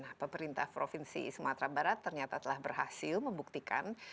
nah pemerintah provinsi sumatera barat ternyata telah berhasil membuktikan